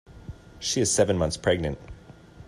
She is seven months pregnant.